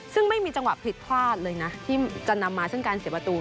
ซึ่งไม่มีจังหวะผิดพลาดเลยนะที่จะนำมาซึ่งการเสียประตู